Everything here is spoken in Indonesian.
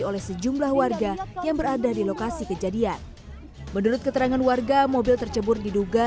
oleh sejumlah warga yang berada di lokasi kejadian menurut keterangan warga mobil tercebur diduga